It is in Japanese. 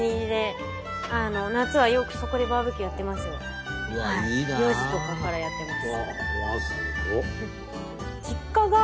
４時とかからやってます。